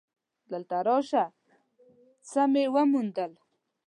دلته راشه څه مې وموندل.